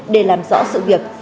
để làm rõ sự việc